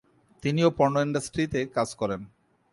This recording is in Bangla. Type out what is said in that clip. তিনিও পর্নো ইন্ডাস্ট্রিতে কাজ করেন।